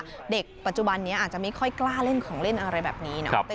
เด็กปัจจุบันนี้อาจจะไม่ค่อยกล้าเล่นของเล่นอะไรแบบนี้นะ